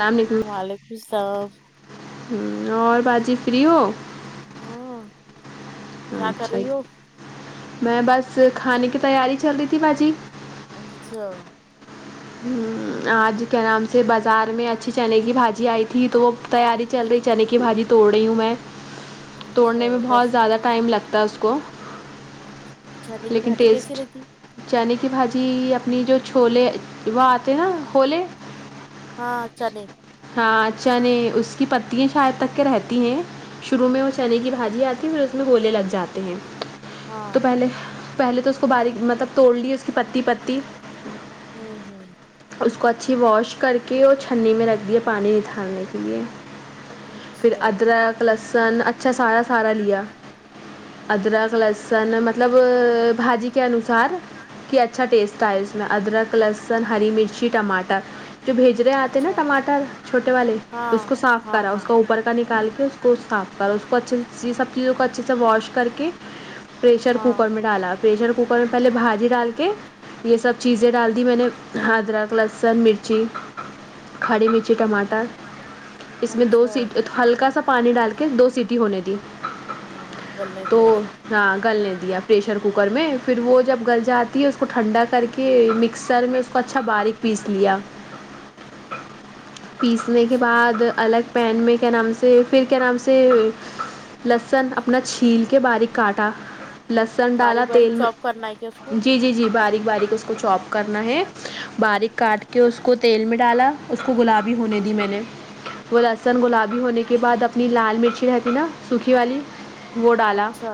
السلام وعلیکم السلام ہوں اور باجی فری ہو ہاں کیا کر اچھا رہی ہو میں بس کھانے کی تیاری چل رہی تھی باجی اچھا ہوں آج کیا نام سے جسے بازار میں اچھی چنے کی بھاجی آئی تھی تو وہ تیاری چل رہی چنے کی بھاجی توڑ رہی ہوں میں اچھا توڑنے میں بہت کیس زیادہ ٹائم لگتا ہے اس کو ا چنے کی لیکن باجی کیسی ٹیسٹ رہتی چنے کی بھاجی اپنی جو چھولے وہ آتے ہے ہولے ہاں چنے ہاں چنے اس کی پتیاں شاید تک کے رہتی ہیں شروع میں وہ چنے کی بھاجی آتی پھر اس میں ہولے لگ جاتے ہاں تو پہلے پہلے تو اس کو باریک مطلب توڑ لی اس کی پتی پتی ہوں ہوں اس کو اچھی واش کر کے اور چھننی میں رکھ دیا پانی نتھر نے کے لیے پھر اچھا ادرک لہسن اچھا سارا سارا لیا ادرک لہسن مطلب بھاجی کے انوسار کہ اچھا ٹیسٹ آ ے اس میں ادرک لہسن ہری مرچی ٹماٹر جو بھیج رہے آتے نا اچھا ٹماٹر چھوٹے والے ہاں اس کو صاف ہاں کرا اس ہاں کا اوپر اوپر کا نکال کے اس کو صاف کرو اس کو اچھے سے یہ سب چیزوں کو اچھے سے واش کر کے پریشر ہاں کوکر میں ڈالا پریشر کوکر میں پہلے بھاجی ڈال کے یہ سب چیزیں ڈال دی میں نے ادرک لہسن لسن مرچی کھاری مرچی ٹماٹر اس میں دو اچھا سی ہلکا سا پانی ڈال کے دو سیٹی ہونے دی ہاں گلنے تو دیا اس کو ہاں گلنے دیا پریشر کوکر میں پھر وہ جب گل جاتی ہے اس کو ٹھنڈا کر کے مکسر میں اس کو اچھا باریک پیس لیا پیسنے کے اچھا بعد الگ پین میں گرم سے پھر گرم سے لہسن اپنا چھیل کے باریک کاٹا لہسن ڈالا باریک باریک تیل میں چوپ کرنا ہے کیا اس کو جی جی جی باریک باریک اس کو چاپ کرنا ہے باریک کاٹ کے اس کو تیل میں ڈالا اس کو گلابی ہونے دی میں نے وہ لستن گلابی ہونے کے بعد اپنی لال مرچی رہتی نا سوکھی والی وہ ڈالا اچھا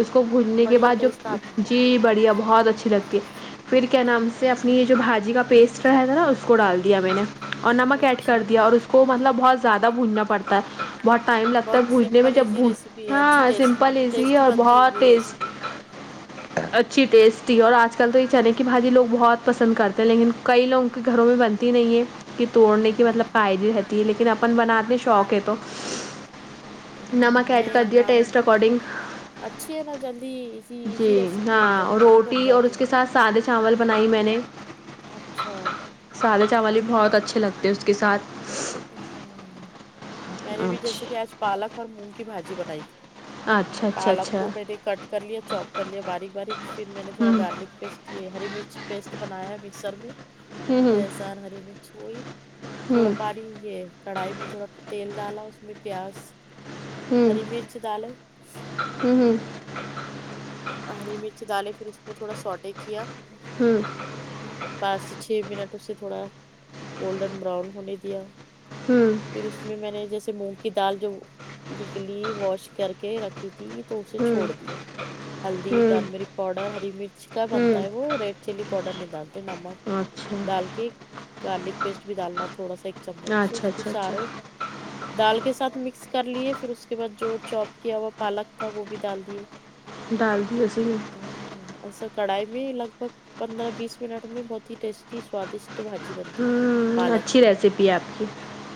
اس کو بھجنے کے بڑھیا بعد ٹیسٹ آتا ہے جی بڑھیا بہت اچھی لگتی ہے پھر کیا نام سے اپنی جو بھاجی کا پیسٹ رہا تھا نا اس کو ڈال دیا میں نے اور نمک ایڈ اچھا کر دیا اور اس کو مطلب بہت زیادہ بھوننا پڑتا ہے بہت ٹائم لگتا بہت ہے بھوننے میں سمپل جب ایزی ریسیپی ہے بھوننا اچھی سمپل ٹیسٹ ایزی ٹیسٹی اور بنتی ہوں گی بہت وہ ٹیسٹ ریسیپی اچھی ٹیسٹی اور آج کل تو یہ چنے کی بھاجی لوگ بہت پسند کرتے ہیں لیکن کئی لوگوں کے گھروں میں بنتی نہیں ہے کہ توڑنے کی مطلب پائدی رہتی ہے لیکن اپن بناتے شوق ہے تو ہ نمک ایڈ کر دیے ٹیسٹ اکارڈنگ اچھی ہے نا جلدی ایزی ایزی جی ریسیپی ہے ایک دم ہاں جلد ہی بن روٹی اور جاتی اس کے ساتھ سادے چاول بنائی میں نے اچھا سادے چاول بھی بہت اچھے لگتے ہیں اس کے ساتھ ہ میں نے بھی جیسے کہ اچھا آج پالک اور مونگ کی بھاجی بنائی تھی اچھا اچھا پالک اچھا کو میں نے کٹ کر لیا چوپ کر لیا باریک باریک پھر میں نے تھوڑا ہوں گارلک پیسٹ یہ ہری مرچ پیسٹ بنایا مکسر میں ہوں لہسن ہری مرچ وہی تھوڑا ہوں پانی یہ کڑھائی میں تھوڑا تیل ڈالا اس میں پیاز ہوں ہری مرچ دالیں ہوں ہوں ہری مرچ ڈالے پھر اس میں تھوڑا سوٹے کیا پانچ سےچھ منٹ اس سے تھوڑا گولڈن براؤن ہونے دیا ہوں پھر اس میں میں نے جیسے مونگ کی دال جو گیلی واش کر کے رکھی تھی تھی تو اسے ہوں چھوڑ دیا ہلدی ہوں ٹرمیرک پاؤڈر ہری مرچ کا بنتا ہوں ہے وہ ریڈ چلی پاؤڈر نہیں ڈالتے نمک اچھا ڈال کے گارلک پیسٹ بھی ڈالنا تھوڑا سا ایک اچھا چمچ پھر اچھا اچھا سارا دال کے ساتھ مکس کر لیے پھر اس کے بعد جو چوپ کیا ہوا پالک تھا وہ بھی ڈال دیے ڈال دی اسی میں او ایسا کڑھائی میں لگ بگ پندرہ بیس منٹ میں بہت ہی ٹیسٹی سوادشٹ بھاجی بنتی ہوں پالک اچھی کی ریسیپی ہے آپ کی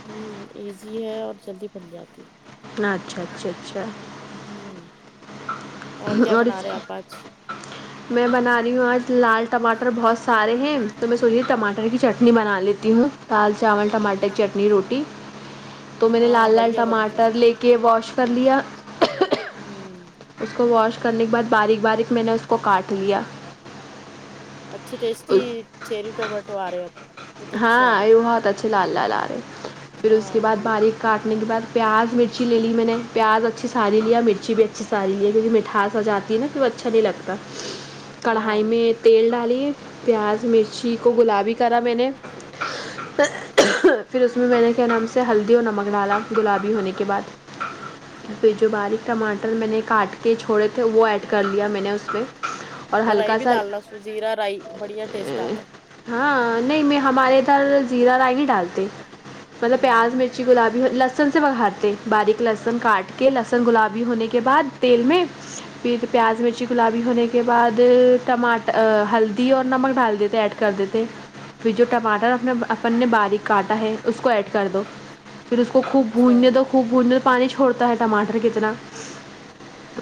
ہوں ایزی ہے اور جلدی بن جاتی اچھا اچھا اچھا ہوں اور اس ہ میں بنا رہی ہوں آج لال ٹماٹر بہت سارے ہیں تو میں سوچے ٹماٹر کی چٹنی بنا لیتی ہوں دال چاول ٹماٹر چٹنی روٹی تو میں نے ہاں لال لال بڑھیا بنتی ٹماٹر لے کے ہے۔ واش کر لیا ہوں اس کو واش کرنے کے بعد باریک باریک میں نے اس کو کاٹ لیا اچھی ٹیسٹی چیری ٹماٹو آ رہے اب بہت اچھے آ ہاں یہ رہے بہت اچھے لال لال آ رہے پھر اس کے ہاں بعد باریک کاٹنے کے بعد پیاز مرچی لے لی میں نے پیاز اچھی ساری لیا مرچی بھی اچھی ساری لہے کیونکہ مٹھاس جاتی ہے نا کہ وہ اچھا نہیں لگتا ہاں کڑھائی میں تیل ڈالیے پیاز مرچی کو گلابی کرا میں نے پھر اس میں میں نے کیا نام سے ہلدی اور نمک ڈالا گلابی ہونے کے بعد پھر جو باریک ٹماٹر میں نے کاٹ کے چھوڑے تھے وہ ایڈ کر لیا میں نے اس پہ اور رائی بھی ڈالنا سو زیرا رائی بڑھیا ٹیسٹ آتا ہاں نہیں میں ہمارے ادھر زیرہ رائی بھی ڈالتے مطلب ہاں پیاز مرچی گلابی لہسن سے بگارتے باریک لہسن کاٹ کے لہسن گلابی ہونے کے بعد تیل میں پ پیاز مرچ کچی گلابی ہونے کے بعد ٹماٹر ہلدی اور نمک ڈال دیتے ایڈ کر دیتے پھر جو ٹماٹر اپنے اپن نے باریک کاٹا ہے اس کو ایڈ کر دو پھر اس کو خوب اچھا بھوننے دو خوب بھوننے پر پانی چھوڑتا ہے ٹماٹر کتنا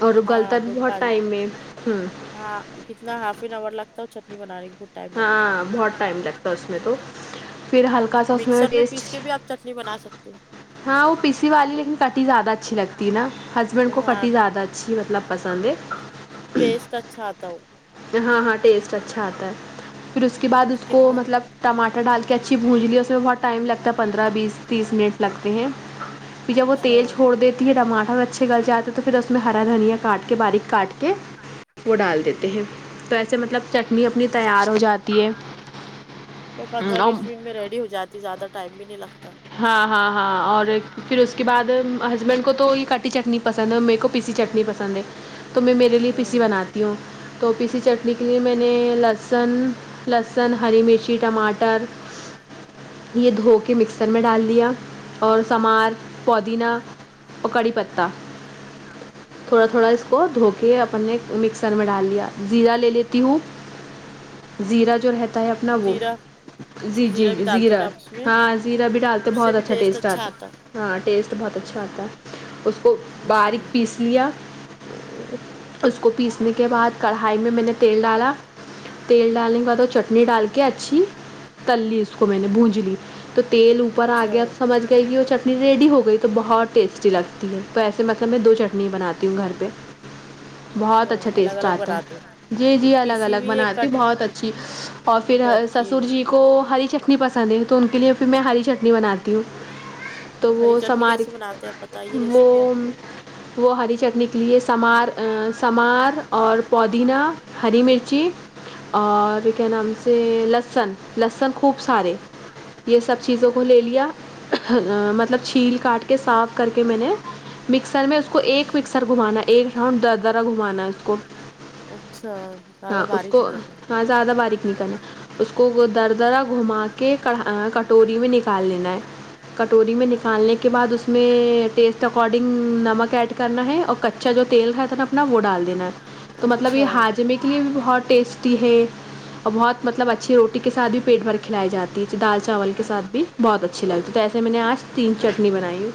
اور ہاں گلتا بھی بہت پانی ٹائم ہے ہوں ہاں کتنا ہاف این آور لگتا ہو چٹنی بنانے کو ہاں بہت ٹائم لگتا اس میں تو پھر ہلکا سا اس مکسر میں پیس ٹیسٹ کے بھی آپ چٹنی بنا سکتے ہیں ہاں وہ پیسی والی لیکن کٹی زیادہ اچھی لگتی ہے نا ہسبینڈ کو ہاں فٹی زیادہ اچھی مطلب پسند ہے ٹیسٹ اچھا آتا ہو ہاں ہاں ٹیسٹ اچھا آتا ہے پھر اس کے بعد اس کو کتنا مطلب ٹماٹر ڈال کے اچھی بھون لیی اس میں بہت ٹائم لگتا ہے پندرہ بیس تیس منٹ لگتے ہیں جب وہ اچھا تیل چھوڑدے ٹماٹر اچھے گل جاتے تو پھر اس میں ہرا دھنیا کاٹ کے باریک کاٹ کے وہ ڈال دیتے ہیں تو ایسے مطلب چٹنی اپنی تیار ہو جاتی ہے پندرہ اور بیس منٹ میں ریڈی ہو جاتی زیادہ ٹائم بھی نہیں لگتا ہاں ہاں ہاں اور پھر اس کے بعد ہسبینڈ کو تو یہ کاٹی چٹنی پسند ہے میرے کو پیسی چٹنی پسند ہے تو میں میرے لیے پیسی ہوں بناتی ہوں تو پیسی چٹنی کے لیے میں نے لہسن لہسن ہری مرچی ٹماٹر یہ دھو کے مکسر میں ڈال دیا اور سمار پودینہ اور کڑی پتہ تھوڑا تھوڑا اس کو دھو کے اپنے مکسر میں ڈال لیا زیرہ لے لیتی ہوں زیرہ جو رہتا اپنا وہ زیرہ اچھا جی جی زیرہ بھی ڈالتے زیرا کیا آپ اس میں ہاں زیرا بھی ڈالتے بہت اچھا ٹیسٹ آتا ہاں ٹیسٹ بہت اچھا آتا ہے اس کو باریک ہوں پیس لیا اس کو پیسنے کے بعد کڑھائی میں میں نے تیل ڈالا تیل ڈالنے کے بعد اور چٹنی ڈال کے اچھی تللی اس کو میں نے بونج لی تو تیل اوپر آ اچھا گیا تو سمجھ گئی کہ وہ چٹنی ریڈی ہو گئی تو بہت ٹیسٹی لگتی ہے تو ایسے مطلب میں دو چٹنی بناتی ہوں گھر پہ بہت اچھا الگ ٹیسٹ الگ آتا ہے بناتے جی ایک جی الگ پیسی الگ ہوئی ایک بناتی کٹ بہت اچھی اور پھر کٹ کی سسر ہوئی جی کو ہری چٹنی پسند ہے تو ان کے لیے پھر میں ہری چٹنی بناتی ہوں تو ہری وہ چٹنی سمار کیسی بناتے ہیں آپ بتائیے وہ ریسیپی آپ کی وہ ہری چٹنی یہ لیے سمار سمار اور پودینہ ہری مرچی اور یہ کیا نام سے لہسن لہسن خوب سارے یہ سب چیزوں کو لے لیا مطلب چھیل کاٹ کے صاف کر کے میں نے مکسر میں اس کو ایک فکسر گھمانا ایک راؤنڈ در درا گھمانا ہے اس کو اچھا زیادہ ہاں اس باریک کو نہیں کرنی ہاں زیادہ باریک ن کرنا اس کو در درا گھما کے کڑھا کٹوری میں نکال لینا ہے کٹوری میں نکالنے کے بعد اس میں ٹیسٹ اکارڈنگ نمک ایڈ کرنا ہے اور کچا جو تیل رہا تھا نا اپنا وہ ڈال دینا ہے تو مطلب اچھا یہ ہاجم کی لیے بھی بہت ٹیسٹی ہے اور بہت مطلب اچھی روٹی کے ساتھ بھی پیٹ بھر کھلائی جاتی دال چاول کے ساتھ ہمم بھی بہت اچھی لگتی ہے تو ایسے میں نے آج تین چٹنی بنائی ہو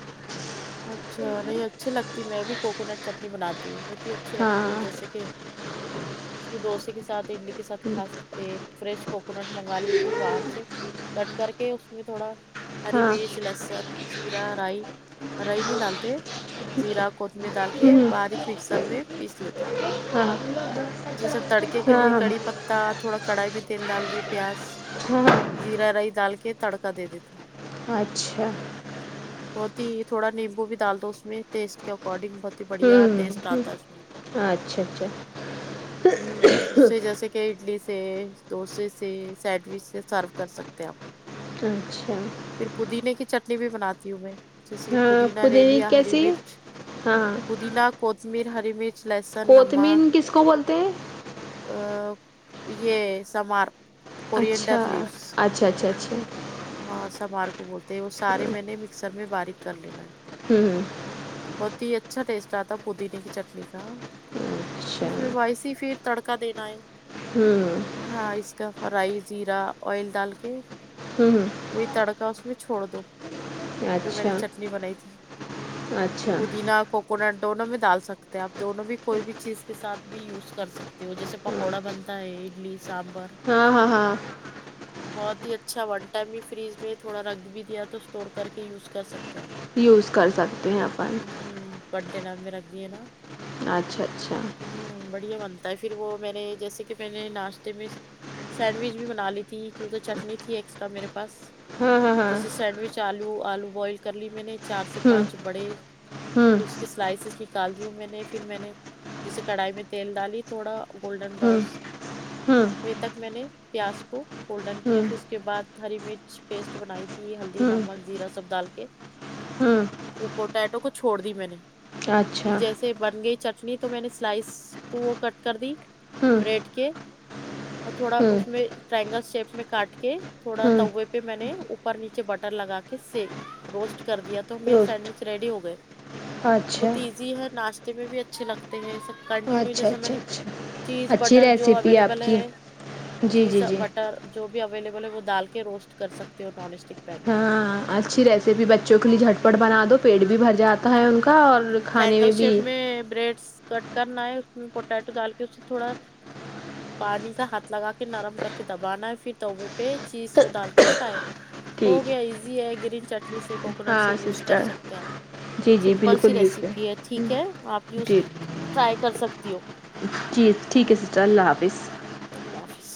اچھا نہیں اچھی لگتی میں بھی کوکونٹ چٹنی بناتی ہوں بہت ہی ا اچھی لگتی ہو ہاں جیسے کہ اس ڈوسے کے ساتھ اڈلی کے ساتھ کھا سکتے ہیں فریش کوکونٹ منگا لی تھی باہر سے کٹ کر کے اس میں تھوڑا ہری ہاں مرچ لہسن جیرا رائی رائی نی ڈالتے زیرا کوتمیر ڈال کے باریک مکسر میں پیس لیتے ہاں جیسے تڑکے کے لیے ہاں کڑی پتتا تھوڑا کڑھائی میں تیل ڈال دیے پیاز ہاں زیرا رائی ڈال کے تڑکا دے دیتے اچھا بہت ہی تھوڑا نیمبو بھی ڈال دو اس میں ٹیسٹ کے اکارڈنگ بہت ہی بڑھیا ہوں ٹیسٹ ہوں آتا ہے اس میں اچھا اچھا ہوں اس سے جیسے کہ اڈلی سے ڈوسے سے سینڈوچ سے سرو کر سکتے آپ اچھا پھر پودینے کی چٹنی بھی بناتی ہوں میں ہاں پودینا لے پودینے لیا کی ہری کیسی مرچ ہاں پودینا کوتمیر ہری مرچ لہسن نمک کوتمین کس کو بولتے ہیں ا یہ سمار اچھا کورینڈر لیوس اچھا اچھا اچھا ہاں سمار کو بولتے ہیں وہ سارے میں نے مکسر میں باریک کر لینا ہے ہممم بہت ہی اچھا ٹیسٹ آتا پودینے کی چٹنی کا اچھا اس میں وائس اس پھر تڑکا دینا ہے ہوں ہاں اس کا فرائی زیرا آئل ڈال کے ہوں وہی تڑکا اس میں چھوڑ دو جو میں نے اچھا چٹنی بنائی تھی اچھا پودینہ کوکونٹ دونوں میں ڈال سکتے آپ دونوں بھی کوئی بھی چیز کے ساتھ بھی یوز کر سکتے ہو جیسے پکوڑا بنتا ہے اڈلی سانبر ہاں ہاں ہاں بہت ہی اچھا ون ٹائم ہی فریج میں تھوڑا رکھ بھی دیا تو اسٹور کر کے یوز کر سکتے یوز کر سکتے ہیں اپن ہمم کنٹینر میں رکھ دی ہے نا اچھا اچھا ہوں بڑھیا بنتا ہے پھر وہ میں نے جیسے کہ میں نے ناشتے میں سینڈوچ بھی بنا لی تھی کیوں تو چٹنی تھی ایکسٹرا میرے پاس ہاں ہاں ہاں جیسے سینڈوچ آلو آلو بوائل کر لی میں نے چار سے ہوں پانچ بڑے ہوں پھر اس کے سلائسیز نکال دی ہوں میں نے پھر میں نے جیسے کڑائی میں تیل ڈالی تھوڑا گولڈن ہوں براؤز ہوں ہوے تک میں نے پیاز کو فولڈن کیا ہوں پھر اس اس کے بعد ہری مرچ پیسٹ بنائی تھی ہلدی ہوں نمک زیرا سب ڈال کے ہوں وہ پوٹیٹو کو چھوڑ دی میں نے پھر اچھا جیسے بن گئے چٹنی تو میں نے سلائس کو کٹ کر دی ہوں بریڈ کے اور تھوڑا ہوں اس میں ٹرائنگل شیپ میں کاٹ کے تھوڑا ہوں توے پہ میں نے اوپر نیچے بٹر لگا کے سک روسٹ کر دیا تو میرے سینڈوچ ریڈی ہو گئے اچھا بہت ایزی ہے ناشتے میں بھی اچھے لگتے ہیں سب کنٹینیو اچھا جیسا میں نے چیز اچھی بٹر جو ریسیپی اویلیبل آپ کی ہے جی جی چیز جی بٹر جو بھی اویلیبل ہے وہ ڈال کے روسٹ کر سکتے ہو نان اسٹک پین میں آپ ہاں اچھی ریسیپی بچوں کے لیے جھٹپٹ بنا دو پیٹ بھی بھر جاتا ہے ان کا اور کھانے ٹرائنگل میں بھی شیپ بریڈس کٹ کرنا ہے اس میں پوٹیٹو ڈال کے اسے تھوڑا پانی کا ہاتھ لگا کے نرم کر کے دبانا ہے پھر توے پہ چیز وہ ڈال کے فرائی ہو ٹھیک گیا ہے ایزی ہے گرین چٹنی سے کوکونٹ سے ہاں یوز کر سسٹر سکتے ہیں آپ جی جی سمپل سی بالکل یوز ریسیپی ہے کریں ٹھیک ہے آپ یوز جی ٹرائی کر سکتی ہو جی ٹھیک ہے شکریہ اللہ حافظ اللہ حافظ